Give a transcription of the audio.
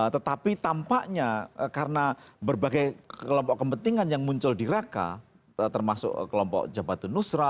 tetapi tampaknya karena berbagai kelompok kepentingan yang muncul di raqqa termasuk kelompok jabatin nusra